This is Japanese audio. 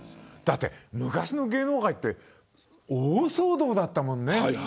だって、昔の芸能界って大騒動だったもんね。